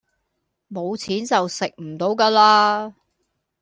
冇錢就食唔到架喇